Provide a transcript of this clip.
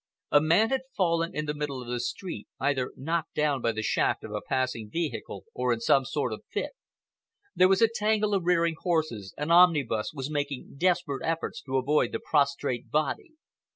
A man had fallen in the middle of the street, either knocked down by the shaft of a passing vehicle or in some sort of fit. There was a tangle of rearing horses, an omnibus was making desperate efforts to avoid the prostrate body.